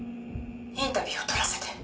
インタビューを撮らせて。